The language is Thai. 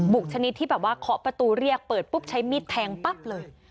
กชนิดที่แบบว่าเคาะประตูเรียกเปิดปุ๊บใช้มีดแทงปั๊บเลย